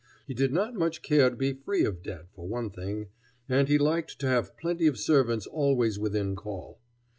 He did not much care to be free of debt for one thing, and he liked to have plenty of servants always within call.